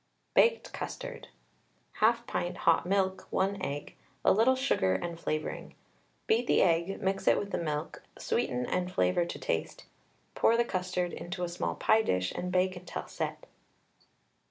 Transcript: BAKED CUSTARD. 1/2 pint hot milk, 1 egg, a little sugar and flavouring. Beat the egg, mix it with the milk, sweeten and flavour to taste; pour the custard into a small pie dish, and bake until set.